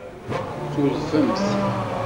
Tudfemt.